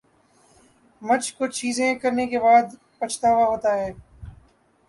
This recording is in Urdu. مچھ کچھ چیزیں کرنے کے بعد پچھتاوا ہوتا ہے